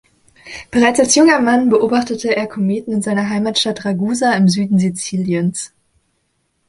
Bereits als junger Mann beobachtete er Kometen in seiner Heimatstadt Ragusa im Süden Siziliens.